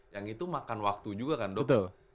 yang itu makan waktu juga kan dok